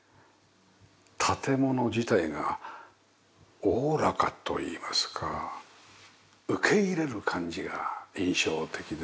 建物自体がおおらかといいますか受け入れる感じが印象的ですよね。